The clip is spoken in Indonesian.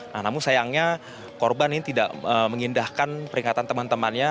nah namun sayangnya korban ini tidak mengindahkan peringatan teman temannya